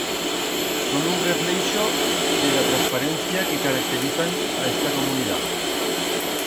Son un refleixo de ra transparencia que caracterizan a esta comunidat.